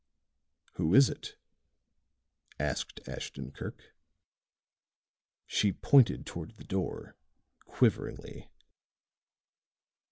"Who is it?" asked Ashton Kirk. She pointed toward the door quiveringly.